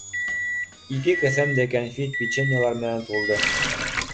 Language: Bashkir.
Ике кеҫәм дә кәнфит-печеньелар менән тулды.